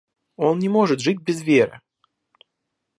Он не может жить без веры...